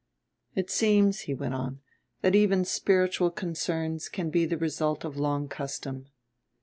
"It seems," he went on, "that even spiritual concerns can be the result of long custom."